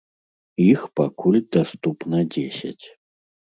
Іх пакуль даступна дзесяць.